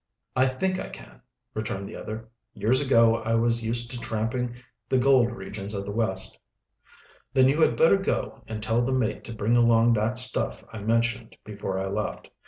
"I think I can," returned the other. "Years ago I was used to tramping the gold regions of the West." "Then you had better go and tell the mate to bring along that stuff I mentioned before I left.